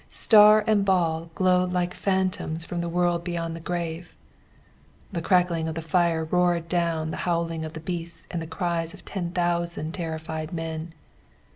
Star and ball glowed like phantoms from the world beyond the grave. The crackling of the fire roared down the howling of the beasts and the cries of ten thousand terrified men.